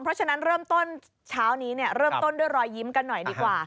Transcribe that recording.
เพราะฉะนั้นเริ่มต้นเช้านี้เริ่มต้นด้วยรอยยิ้มกันหน่อยดีกว่า